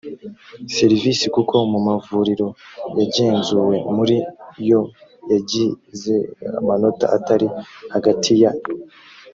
serivisi kuko mu mavuriro yagenzuwe muri yo yagize amanota ari hagati ya